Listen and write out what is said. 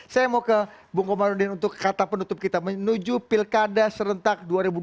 saya mau ke bung komarudin untuk kata penutup kita menuju pilkada serentak dua ribu dua puluh